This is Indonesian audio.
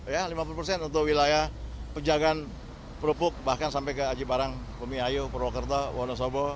ya lima puluh persen untuk wilayah penjagaan perupuk bahkan sampai ke aji barang bumiayu purwokerto wonosobo